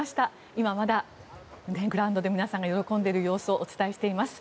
今まだグラウンドで皆さんが喜んでいる様子をお伝えしています。